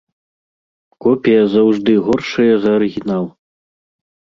Копія заўжды горшая за арыгінал.